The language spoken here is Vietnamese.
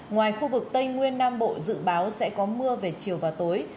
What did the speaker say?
ngoài khu vực tây nguyên nam bộ dự báo sẽ có mưa về chiều và tối